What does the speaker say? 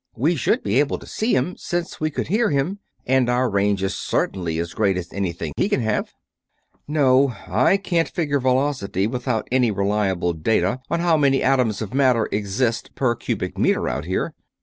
"We should be able to see him, since we could hear him, and our range is certainly as great as anything he can have." "No. Can't figure velocity without any reliable data on how many atoms of matter exist per cubic meter out here."